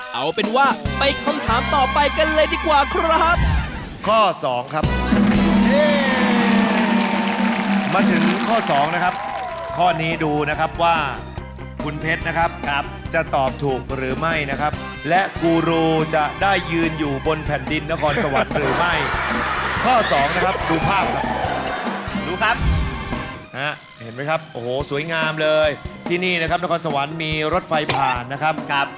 เอาเป็นว่าไปคำถามต่อไปกันเลยดีกว่าครับ